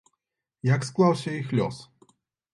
Як склаўся іх лёс?